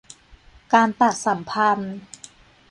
การตัดสัมพันธ์